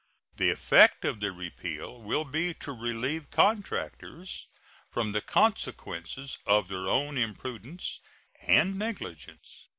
The effect of the repeal will be to relieve contractors from the consequences of their own imprudence and negligence.